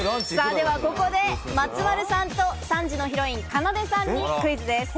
ではここで、松丸さんと３時のヒロイン・かなでさんにクイズです。